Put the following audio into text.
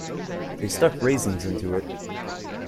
They stuck raisins into it.